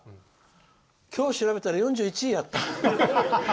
今日調べたら４１位やった。